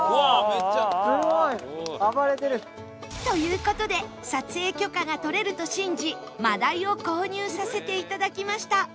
という事で撮影許可が取れると信じ真鯛を購入させていただきました